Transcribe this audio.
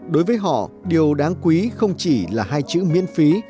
đối với họ điều đáng quý không chỉ là hai chữ miễn phí